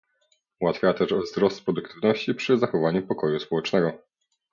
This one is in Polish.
Ułatwiała też wzrost produktywności przy zachowaniu pokoju społecznego